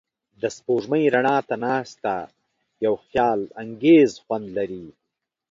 د سپوږمۍ رڼا ته ناستې یو خیالانګیز خوند لري.